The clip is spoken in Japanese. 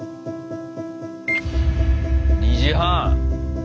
２時半。